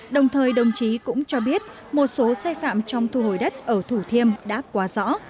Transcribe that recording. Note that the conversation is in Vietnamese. đồng thời đồng chí cũng cho biết một số sai phạm trong thu hồi đất ở thủ thiêm đã quá rõ